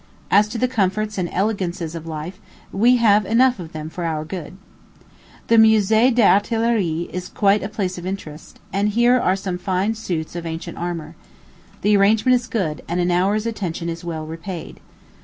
As to the comforts and elegances of life, we have enough of them for our good. The Musée d'Artillerie is quite a place of interest, and here are seen some fine suits of ancient armor. The arrangement is good, and an hour's attention is well repaid.